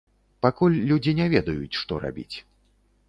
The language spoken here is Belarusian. Пакуль людзі не ведаюць, што рабіць.